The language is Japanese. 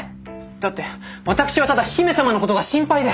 だって私はただ姫様のことが心配で。